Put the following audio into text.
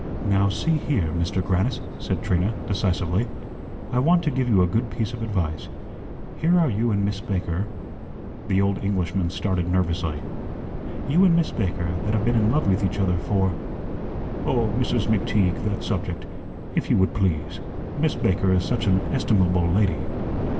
"Now, see here, Mister Grannis," said Trina, decisively, "I want to give you a good piece of advice. Here are you and Miss Baker " The old Englishman started nervously "You and Miss Baker, that have been in love with each other for " "Oh, Mrs. McTeague, that subject if you would please Miss Baker is such an estimable lady."